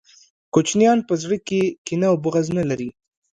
کوچنیان په زړه کي کینه او بغض نلري